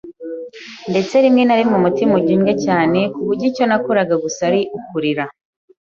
ndetse rimwe na rimwe umutima ujya undya cyane ku buryo icyo nakoraga gusa ari ukuririra